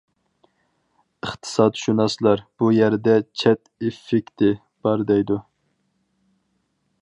ئىقتىسادشۇناسلار: بۇ يەردە «چەت ئېففېكتى» بار، دەيدۇ.